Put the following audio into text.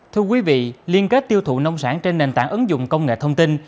thưa quý vị liên kết tiêu thụ nông sản trên nền tảng ứng dụng công nghệ thông tin